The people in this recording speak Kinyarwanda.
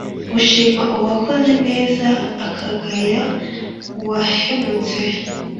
gushima uwakoze neza ukagaya uwahemutse